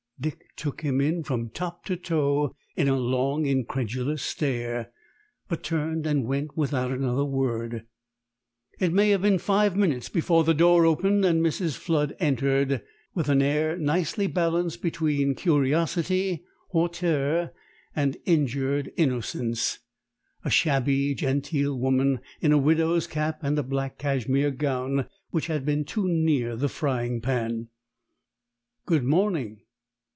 Dick took him in from top to toe, in a long incredulous stare; but turned and went without another word. It may have been five minutes before the door opened and Mrs. Flood entered, with an air nicely balanced between curiosity, hauteur, and injured innocence a shabby genteel woman, in a widow's cap and a black cashmere gown which had been too near the frying pan. "Good morning."